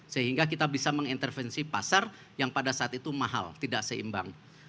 sehingga kita bisa mengintervensi pasar yang pada saat itu mahal tidak seimbang